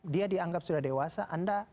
dia dianggap sudah dewasa anda